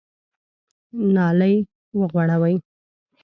نالۍ وغوړوئ !